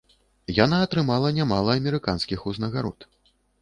Яна атрымала нямала амерыканскіх узнагарод.